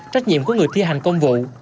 trách nhiệm của người thi hành công vụ